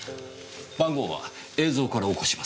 番号は映像から起こします。